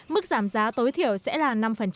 mức giảm giá tối thiểu sẽ là năm